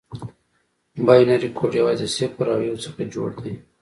بایونري کوډ یوازې د صفر او یو څخه جوړ دی.